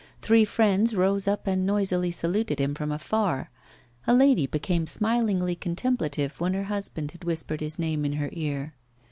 Three friends rose up and noisily saluted him from afar. A lady became smilingly contemplative when her husband had whispered his name in her ear.